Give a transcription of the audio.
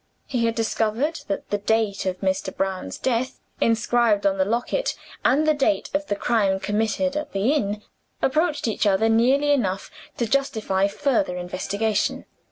He had discovered that the date of Mr. Brown's death, inscribed on the locket, and the date of the crime committed at the inn, approached each other nearly enough to justify further investigation.